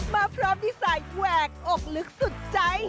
มาพร้อมดีไซน์แหวกอกลึกสุดใจ